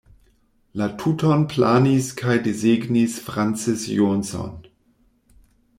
La tuton planis kaj desegnis Francis Johnson.